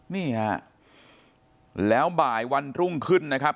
นี่ฮะแล้วบ่ายวันรุ่งขึ้นนะครับ